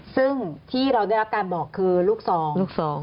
ซึ่งที่เราได้รับการบอกคือลูกสองลูกสอง